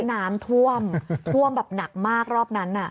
น้ำท่วมท่วมแบบหนักมากรอบนั้น